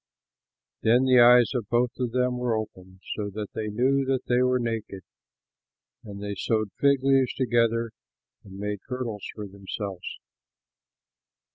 Then the eyes of both of them were opened, so that they knew that they were naked; and they sewed fig leaves together and made girdles for themselves.